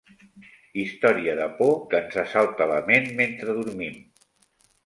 Història de por que ens assalta la ment mentre dormim.